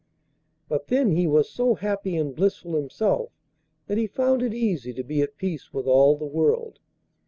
But then he was so happy and blissful himself that he found it easy to be at peace with all the world.